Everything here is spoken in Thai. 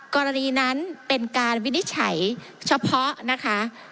กรณีนั้นเป็นการวินิจฉัยเฉพาะนะคะ